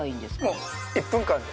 もう１分間で。